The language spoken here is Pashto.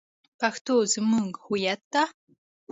پښتو زمونږ هویت ده